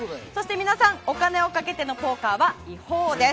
皆さん、お金を賭けてのポーカー違法です。